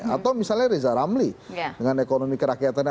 atau misalnya reza ramli dengan ekonomi kerakyatannya